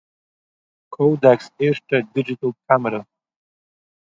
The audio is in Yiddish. קאָודעק'ס ערשטע דידזשיטעל קאַמערע